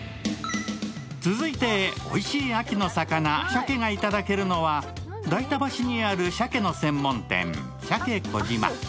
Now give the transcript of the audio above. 続いて、おいしい秋の魚シャケがいただけるのは代田橋にあるシャケの専門店、しゃけ小島。